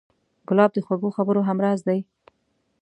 ګلاب د خوږو خبرو همراز دی.